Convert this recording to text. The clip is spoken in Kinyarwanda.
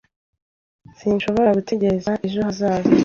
Sinshobora gutegereza ejo hazaza.